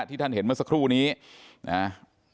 ท่านเห็นเมื่อสักครู่นี้นะฮะ